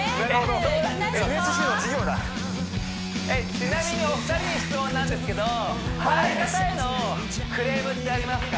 ちなみにお二人に質問なんですけど相方へのクレームってありますか？